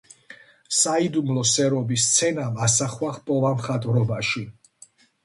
საიდუმლო სერობის სცენამ ასახვა ჰპოვა მხატვრობაში.